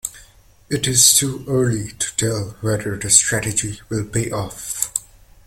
It's too early to tell whether the strategy will pay off.